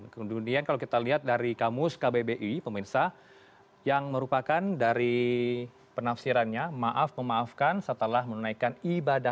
kemudian kalau kita lihat dari kamus kbbi pemirsa yang merupakan dari penafsirannya maaf memaafkan setelah menunaikan ibadah